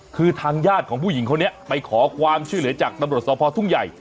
คือทางญาติของผู้หญิงคนนี้ไปขอความช่วยเหลือจากตำรวจสภทุ่งใหญ่